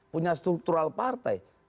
punya struktural partai